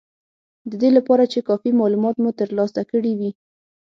د دې لپاره چې کافي مالومات مو ترلاسه کړي وي